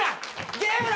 ゲームだ！